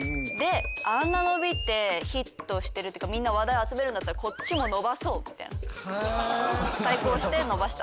あんな伸びてヒットしてるっていうかみんな話題を集めるんだったらこっちも対抗して伸ばした。